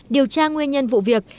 điều tra nguyên nhân vụ việc